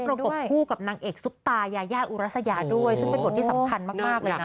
กบคู่กับนางเอกซุปตายายาอุรัสยาด้วยซึ่งเป็นบทที่สำคัญมากเลยนะ